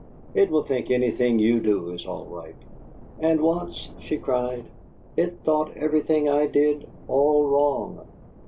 "It will think anything you do is all right." "And once," she cried, "it thought everything I did all wrong!"